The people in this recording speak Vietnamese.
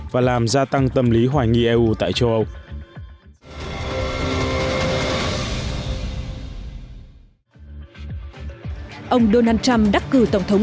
và làm gia tăng tâm lý hoài nghi eu tại châu âu